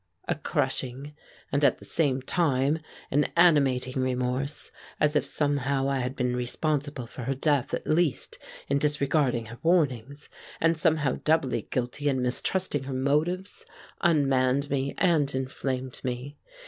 A crushing and at the same time an animating remorse, as if somehow I had been responsible for her death at least, in disregarding her warnings, and somehow doubly guilty in mistrusting her motives, unmanned me and inflamed me.